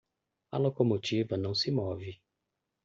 A locomotiva não se move